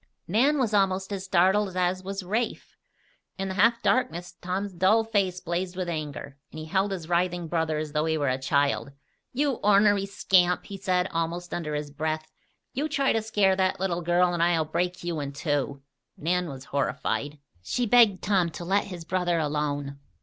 Nan was almost as startled as was Rafe. In the half darkness Tom's dull face blazed with anger, and he held his writhing brother as though he were a child. "You ornery scamp!" he said, almost under his breath. "You try to scare that little girl, and I'll break you in two!" Nan was horrified. She begged Tom to let his brother alone.